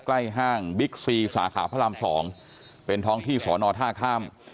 ห้างบิ๊กซีสาขาพระราม๒เป็นท้องที่สอนอท่าข้าม